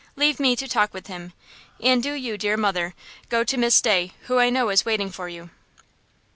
Leave me to talk with him, and do you, dear mother, go to Miss Day, who I know is waiting for you."